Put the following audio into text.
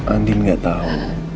andi gak tau